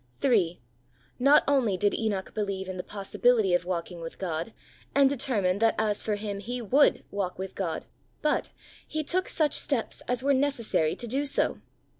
HI. Not only did Enoch believe in the possibility of walking with God, and determine that as for him he would walk with God, but he took such steps as were necessary to do so.